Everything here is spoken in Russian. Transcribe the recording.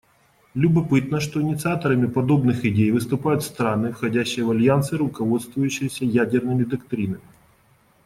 Любопытно, что инициаторами подобных идей выступают страны, входящие в альянсы, руководствующиеся ядерными доктринами.